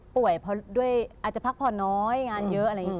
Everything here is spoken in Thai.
ป่วยเพราะด้วยอาจจะพักพอน้อยงานเยอะ